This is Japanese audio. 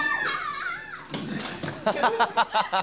ハハハハッ！